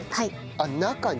あっ中に？